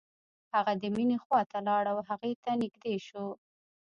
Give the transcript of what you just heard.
هغه د مينې خواته لاړ او هغې ته نږدې شو.